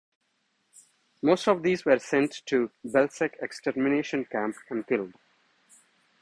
Most of these were sent to Belzec extermination camp and killed.